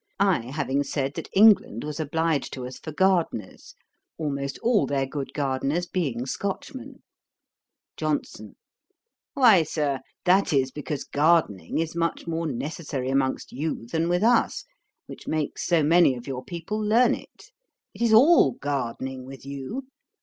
I having said that England was obliged to us for gardeners, almost all their good gardeners being Scotchmen. JOHNSON. 'Why, Sir, that is because gardening is much more necessary amongst you than with us, which makes so many of your people learn it. It is all gardening with you.